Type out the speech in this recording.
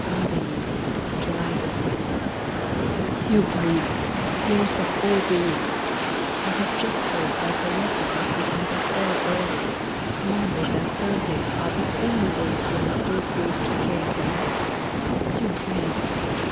Monday Evening, July 6. You grieve! dearest of all beings! I have just heard that the letters must be sent off very early. Mondays and Thursdays are the only days when the post goes to K. from here. You grieve!